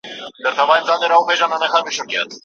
ماشوم په غېږ کې داسې خوځېده لکه وږی چې وي.